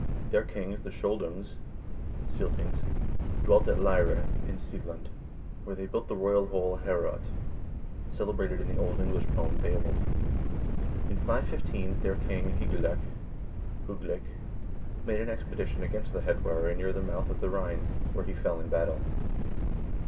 Their kings, the Skjoldungs (Scyldings), dwelt at Leire in Seeland, where they built the royal hall Heorot, celebrated in the Old English poem "Beowulf." In 515 their king Hygelac (Hugleik) made an expedition against the Hetware near the mouth of the Rhine, where he fell in battle.